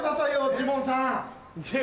ジモンさん？